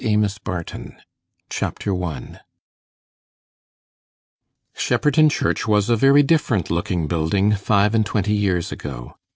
AMOS BARTON Chapter 1 Shepperton Church was a very different looking building five and twenty years ago.